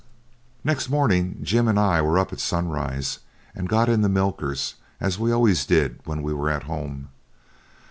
Next morning Jim and I were up at sunrise and got in the milkers, as we always did when we were at home.